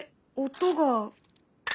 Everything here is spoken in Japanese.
音が。